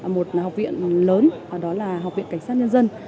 một học viện lớn đó là học viện cảnh sát nhân dân